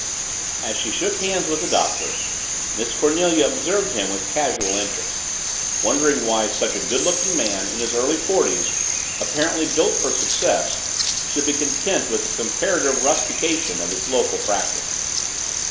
As she shook hands with the Doctor, Miss Cornelia observed him with casual interest wondering why such a good looking man, in his early forties, apparently built for success, should be content with the comparative rustication of his local practice.